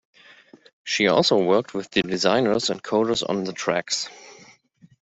She also worked with the designers and coders on the tracks.